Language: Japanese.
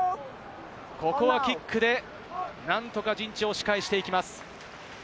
キックで何とか陣地を押し返していきます。